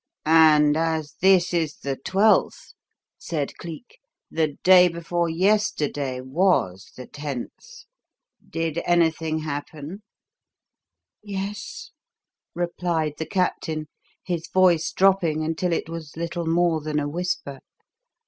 "And as this is the Twelfth," said Cleek, "the day before yesterday was the Tenth. Did anything happen?" "Yes," replied the Captain, his voice dropping until it was little more than a whisper.